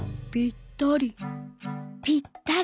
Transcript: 「ぴったり」。